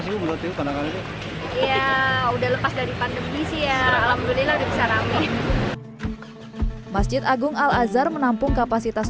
sih ya udah lepas dari pandemi sih ya alhamdulillah bisa rame masjid agung al azhar menampung kapasitas